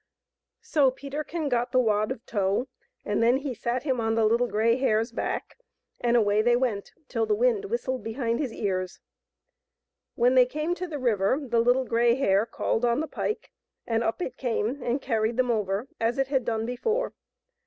So Peterkin got the wad of tow, and then he sat him on the Little Grey Hare's back, and away they went till the wind whistled behind his ears. When they came to the river the Little Grey Hare called on the pike, and up it came and carried them over as it had done before.